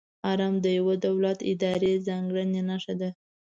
آرم د یو دولت، ادارې ځانګړې نښه ده.